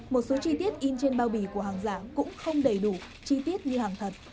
một số chi tiết in trên bao bì của hàng giả cũng không đầy đủ chi tiết như hàng thật